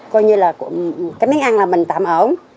coi như là cái món ăn là mình tạm ổn